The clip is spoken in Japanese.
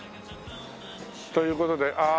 という事でああ